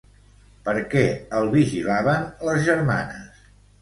Per què el vigilaven les germanes?